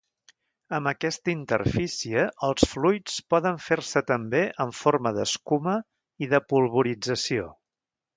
Amb aquesta interfície, els fluids poden fer-se també en forma d'escuma i de polvorització.